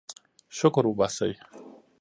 شکر وباسئ.